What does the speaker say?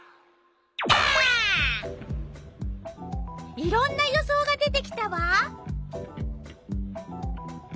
いろんな予想が出てきたわ。